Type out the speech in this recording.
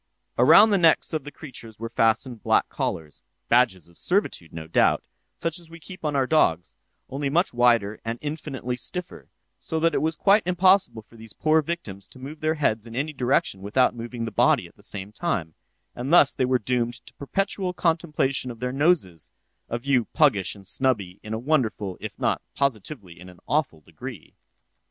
Around the necks of the creatures were fastened black collars, (badges of servitude, no doubt,) such as we keep on our dogs, only much wider and infinitely stiffer, so that it was quite impossible for these poor victims to move their heads in any direction without moving the body at the same time; and thus they were doomed to perpetual contemplation of their noses—a view puggish and snubby in a wonderful, if not positively in an awful degree.